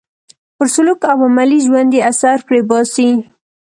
پر سلوک او عملي ژوند یې اثر پرې باسي.